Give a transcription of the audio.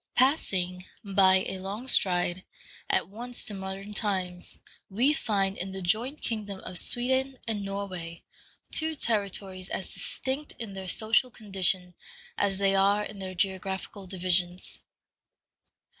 Passing, by a long stride, at once to modern times, we find in the joint kingdom of Sweden and Norway two territories as distinct in their social condition as they are in their geographical divisions.